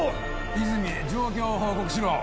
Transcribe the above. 和泉状況を報告しろ。